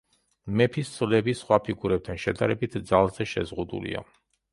მეფის სვლები, სხვა ფიგურებთან შედარებით, ძალზე შეზღუდულია.